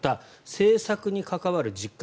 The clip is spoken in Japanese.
政策に関わる実感